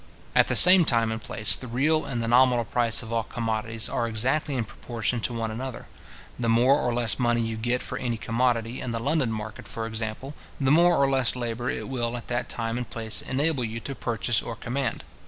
At the same time and place, the real and the nominal price of all commodities are exactly in proportion to one another. The more or less money you get for any commodity, in the London market, for example, the more or less labour it will at that time and place enable you to purchase or command.